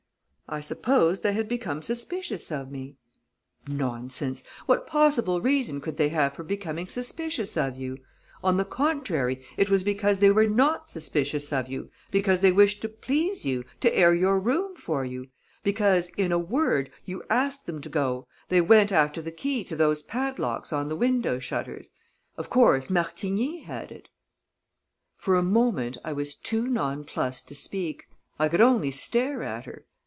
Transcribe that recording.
"I supposed they had become suspicious of me." "Nonsense! What possible reason could they have for becoming suspicious of you. On the contrary, it was because they were not suspicious of you, because they wished to please you, to air your room for you; because, in a word, you asked them to go they went after the key to those padlocks on the window shutters. Of course, Martigny had it." For a moment, I was too nonplused to speak; I could only stare at her.